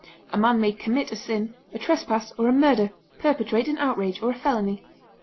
A man may commit a sin, a trespass, or a murder; perpetrate an outrage or a felony.